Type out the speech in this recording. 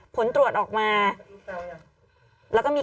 กล้องกว้างอย่างเดียว